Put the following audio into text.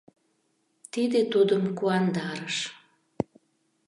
Тиде тудым куандарыш.